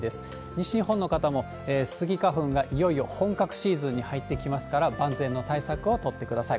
西日本の方も、スギ花粉がいよいよ本格シーズンに入ってきますから、万全な対策を取ってください。